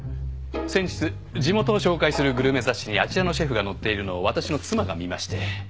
先日地元を紹介するグルメ雑誌にあちらのシェフが載っているのを私の妻が見まして。